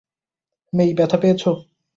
মেই, ব্যথা পেয়েছ?